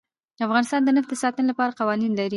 افغانستان د نفت د ساتنې لپاره قوانین لري.